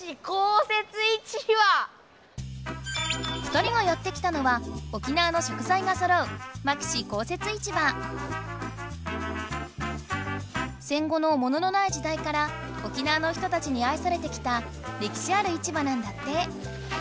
２人がやってきたのは沖縄の食材がそろう戦後のもののない時代から沖縄の人たちにあいされてきたれきしある市場なんだって。